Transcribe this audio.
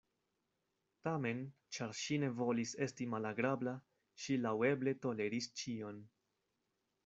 Tamen, ĉar ŝi ne volis esti malagrabla, ŝi laŭeble toleris ĉion.